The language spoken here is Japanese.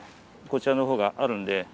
こちらのほうがあるんで。